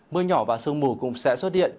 mưa nhỏ và sương mù cũng sẽ xuất điện